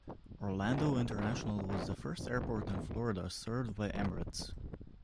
Orlando International was the first airport in Florida served by Emirates.